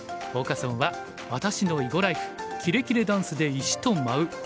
フォーカス・オンは「私の囲碁ライフキレキレダンスで石と舞う！